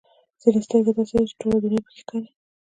ځینې سترګې داسې دي چې ټوله دنیا پکې ښکاري.